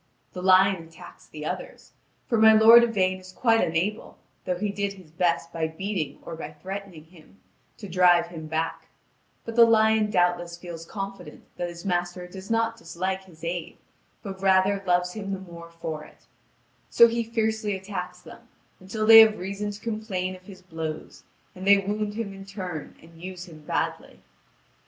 The lion attacks the others; for my lord Yvain is quite unable, though he did his best by beating or by threatening him, to drive him back; but the lion doubtless feels confident that his master does not dislike his aid, but rather loves him the more for it: so he fiercely attacks them, until they have reason to complain of his blows, and they wound him in turn and use him badly.